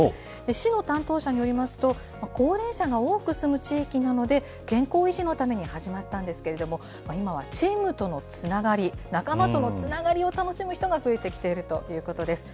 市の担当者によりますと、高齢者が多く住む地域なので、健康維持のために始まったんですけれども、今はチームとのつながり、仲間とのつながりを楽しむ人が増えてきているということです。